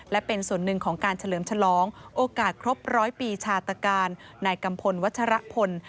และเป็นส่วนหนึ่งของการเฉลิมฉลองโอกาสครบร้อยปีชาตการนายกัมพลวัชรพล